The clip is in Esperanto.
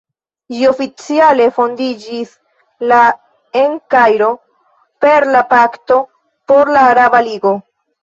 Ĝi oficiale fondiĝis la en Kairo, per la "Pakto por la Araba Ligo".